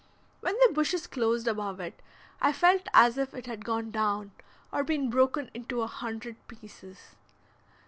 When the bushes closed above it I felt as if it had gone down, or been broken into a hundred pieces.